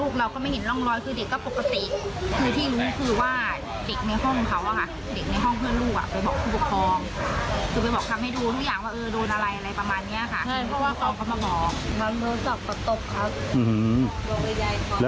เขาทำอย่างไรครับ